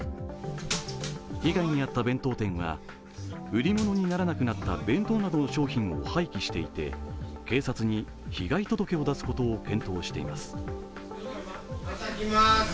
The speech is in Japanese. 被害に遭った弁当店は、売り物にならなくなった商品を廃棄していて、警察に被害届を出すことを検討しています。